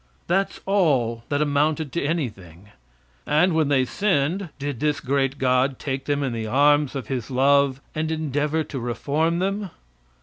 That's all that amounted to anything; and, when they sinned, did this great God take them in the arms of His love and endeavor to reform them?